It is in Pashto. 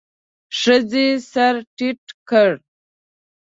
ښځې سر ټيت کړ.